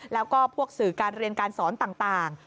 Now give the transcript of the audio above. แล้วก็พวกสื่อการเรียนการสอนต่าง